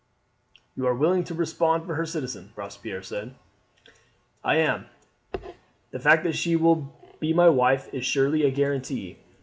"You are willing to respond for her, citizen?" Robespierre said. "I am. The fact that she will be my wife is surely a guarantee?"